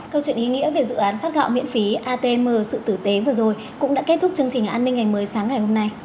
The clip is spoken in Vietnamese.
câu chuyện ý nghĩa về dự án phát gạo miễn phí atm sự tử tế vừa rồi cũng đã kết thúc chương trình an ninh ngày mới sáng ngày hôm nay